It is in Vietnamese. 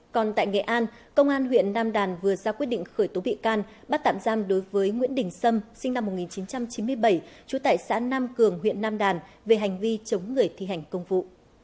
còn tại nghệ an công an huyện nam đàn vừa ra quyết định khởi tố bị can bắt tạm giam đối với nguyễn đình sâm sinh năm một nghìn chín trăm chín mươi bảy trú tại xã nam cường huyện nam đàn về hành vi chống người thi hành công vụ